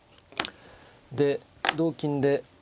で同金で。